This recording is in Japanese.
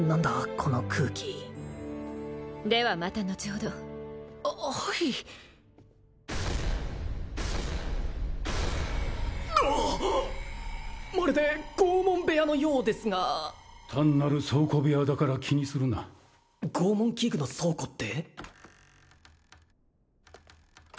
この空気ではまたのちほどはいまるで拷問部屋のようですが単なる倉庫部屋だから気にするな拷問器具の倉庫って？